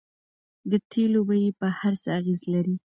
د تیلو بیې په هر څه اغیز لري.